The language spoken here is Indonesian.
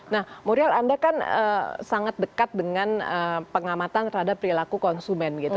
nah muriel anda kan sangat dekat dengan pengamatan terhadap perilaku konsumen gitu